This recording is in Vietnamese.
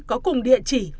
có cùng địa chỉ